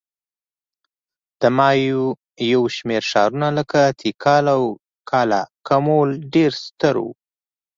د مایا یو شمېر ښارونه لکه تیکال او کالاکمول ډېر ستر وو